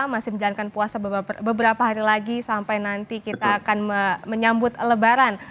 masih menjalankan puasa beberapa hari lagi sampai nanti kita akan menyambut lebaran